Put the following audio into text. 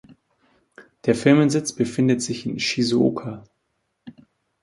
Der Firmensitz befindet sich in Shizuoka.